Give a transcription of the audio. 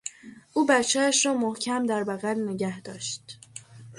او بچهاش را محکم در بغل نگهداشت.